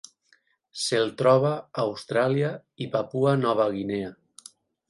Se'l troba a Austràlia i Papua Nova Guinea.